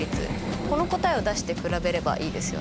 この答えを出して比べればいいですよね。